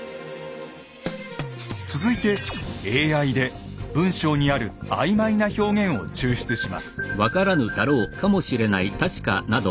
続いてＡＩで文章にある曖昧な表現を抽出します。